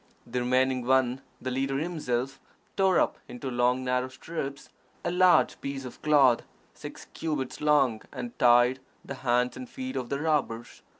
The remaining one the leader himself tore up into long narrow strips a large piece of cloth, six cubits long, and tied the hands and feet of the robbers.